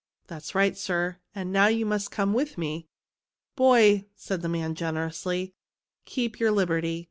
That's right, sir ; and now you must come with me." "Boy," said the man generously, "keep your liberty.